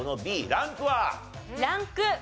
ランク２。